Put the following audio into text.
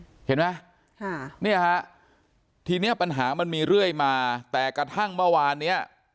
เห็นไหมค่ะเนี่ยฮะทีเนี้ยปัญหามันมีเรื่อยมาแต่กระทั่งเมื่อวานเนี้ย